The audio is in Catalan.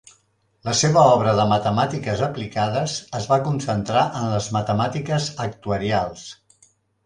La seva obra de matemàtiques aplicades es va concentrar en les matemàtiques actuarials.